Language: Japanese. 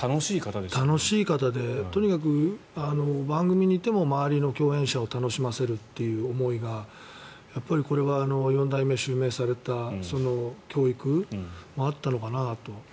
楽しい方でとにかく番組にいても周りの共演者を楽しませるというこれは四代目を襲名された教育もあったのかなと。